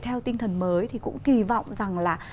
theo tinh thần mới thì cũng kỳ vọng rằng là